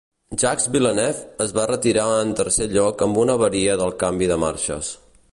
Jacques Villeneuve es va retirar en tercer lloc amb una avaria del canvi de marxes.